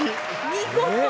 見事。